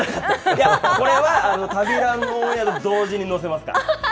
いや、これは旅ランのオンエアと同時に載せますから。